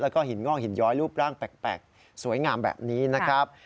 แล้วก็หินงอกหินย้อยรูปร่างแปลกสวยงามแบบนี้นะครับ